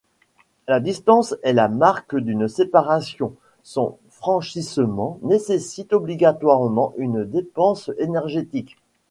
La distance est la marque d'une séparation, son franchissement nécessite obligatoirement une dépense énergétique.